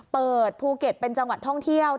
เปิดภูเก็ตเป็นจังหวัดท่องเที่ยว